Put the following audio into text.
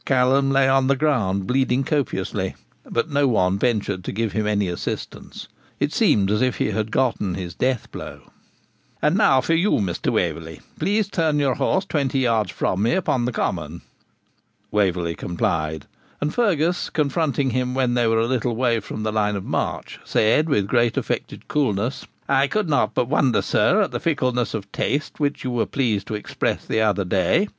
Callum lay on the ground bleeding copiously, but no one ventured to give him any assistance. It seemed as if he had gotten his death blow. 'And now for you, Mr. Waverley; please to turn your horse twenty yards with me upon the common.' Waverley complied; and Fergus, confronting him when they were a little way from the line of march, said, with great affected coolness, 'I could not but wonder, sir, at the fickleness of taste which you were pleased to express the other day.